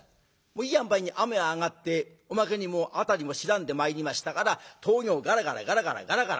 いい塩梅に雨は上がっておまけに辺りも白んでまいりましたから峠をガラガラガラガラガラガラ。